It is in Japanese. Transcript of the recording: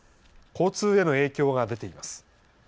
交通への影響が出ています。